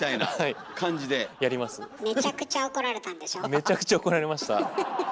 めちゃくちゃ怒られたんでしょ？